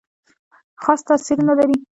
خاص تاثیر نه لري.